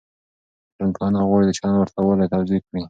ټولنپوهنه غواړي د چلند ورته والی توضيح کړي.